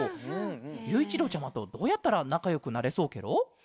ゆういちろうちゃまとどうやったらなかよくなれそうケロ？